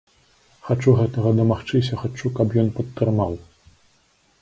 Хачу гэтага дамагчыся, хачу, каб ён падтрымаў.